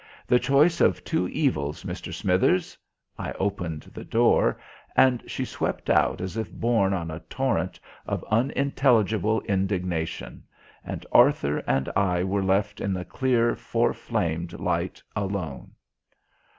The choice of two evils, Mr. Smithers!" I opened the door, and she swept out as if borne on a torrent of unintelligible indignation; and Arthur and I were left in the clear four flamed light alone.